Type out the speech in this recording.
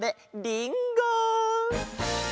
りんご！